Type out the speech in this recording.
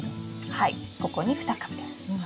はいここに２株です。